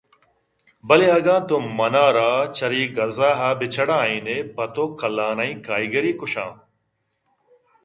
بلے اگاں تو منارا چرے گزا ءَ بہ چَڈائینے پتو کلّانہیں کائیگرے کُشاں